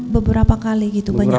beberapa kali gitu banyak